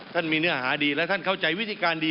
มีเนื้อหาดีและท่านเข้าใจวิธีการดี